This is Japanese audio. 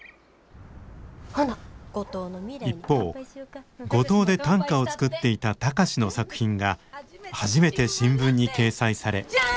一方五島で短歌を作っていた貴司の作品が初めて新聞に掲載され。